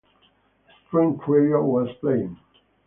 A string trio was playing.